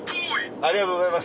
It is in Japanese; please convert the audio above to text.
ありがとうございます！